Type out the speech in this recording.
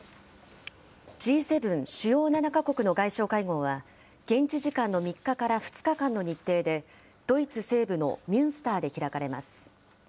Ｇ７・主要７か国の外相会合は、現地時間の３日から２日間の日程で、ドイツ西部のミュンスターで開かれます。